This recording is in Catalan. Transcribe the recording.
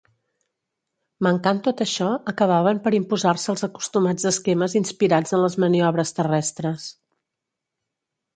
Mancant tot això, acabaven per imposar-se els acostumats esquemes inspirats en les maniobres terrestres.